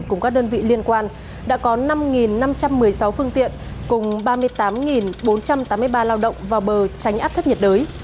cùng các đơn vị liên quan đã có năm năm trăm một mươi sáu phương tiện cùng ba mươi tám bốn trăm tám mươi ba lao động vào bờ tránh áp thấp nhiệt đới